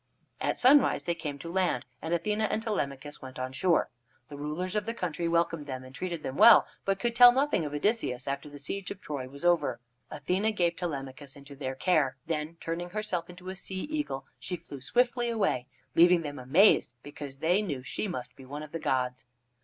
At sunrise they came to land, and Athene and Telemachus went on shore. The rulers of the country welcomed them and treated them well, but could tell nothing of Odysseus after the siege of Troy was over. Athene gave Telemachus into their care, then, turning herself into a sea eagle, she flew swiftly away, leaving them amazed because they knew she must be one of the gods.